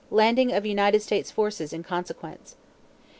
Landing of United States forces in consequence.